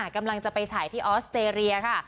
กำลังจะไปฉายที่ออสเตรเลียค่ะ